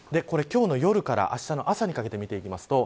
今日の夜から、あしたの朝にかけて見ていきます。